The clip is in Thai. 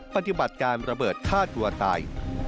ปฏิบัติการระเบิดฆ่าตัวตาย